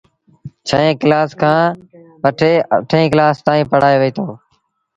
ڇهين ڪلآس کآݩ وٽي اٺيݩ ڪلآس تائيٚݩ پڙهآيو وهيٚتو۔